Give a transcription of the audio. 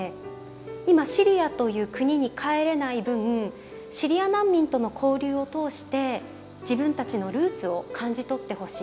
今シリアという国に帰れない分シリア難民との交流を通して自分たちのルーツを感じ取ってほしい。